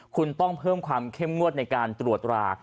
คุณต้องเพิ่มความเข้มงวดในการตรวจรา